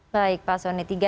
baik pak soni